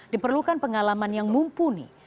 diperlukan pengalaman yang mumpuni